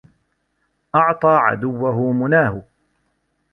أَعْطَى عَدُوَّهُ مُنَاهُ